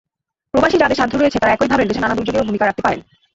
প্রবাসী যাঁদের সাধ্য রয়েছে তাঁরা একইভাবে দেশের নানা দুর্যোগেও ভূমিকা রাখতে পারেন।